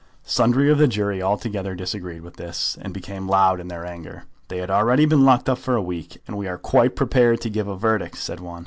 Sundry of the jury altogether disagreed with this, and became loud in their anger. They had already been locked up for a week. "And we are quite prepared to give a verdict," said one.